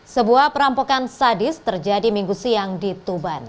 sebuah perampokan sadis terjadi minggu siang di tuban